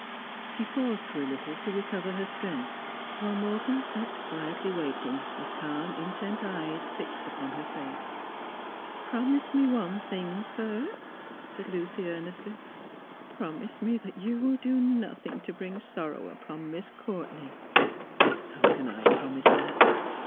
She paused for a little to recover her strength, while Morton sat quietly waiting, with calm, intent eyes fixed upon her face. ' Promise me one thing, sir,' said Lucy earnestly. ' Promise me that you will do nothing to bring sorrow upon Miss Courtenay !'' How can I promise that